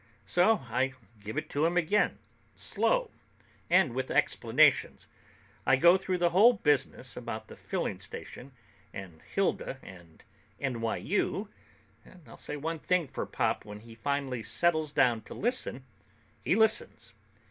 So I give it to him again, slow, and with explanations. I go through the whole business about the filling station and Hilda and NYU, and I'll say one thing for Pop, when he finally settles down to listen, he listens.